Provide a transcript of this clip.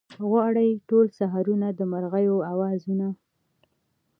غواړي ټوله سحرونه د مرغیو اوازونه